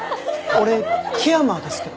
俺樹山ですけど？